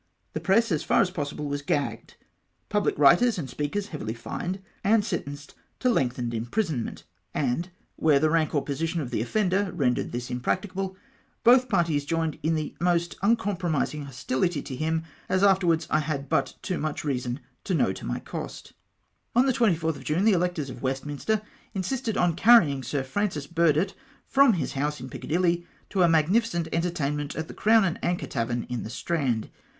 The press, as far as possible, was gagged ; pubhc writers and speakers heavily fined, and sentenced to lengthened imprisonment ; and, where the rank or position of the offender rendered this im practicable, both parties joined in the most uncompro mising hostihty to him, as afterwards I had but too much reason to know to my cost. On the 24th of June, the electors of Westminster insisted on carrying Sir Francis Burdett from liis house in Piccadilly to a magnificent entertainment at the Crown and Anchor Tavern in the Strand.